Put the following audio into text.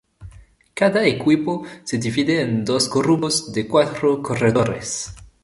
Cada equipo se divide en dos grupos de cuatro corredores.